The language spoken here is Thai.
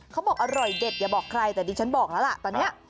เขาบอกอร่อยเด็ดอย่าบอกใครแต่ดิฉันบอกแล้วล่ะตอนนี้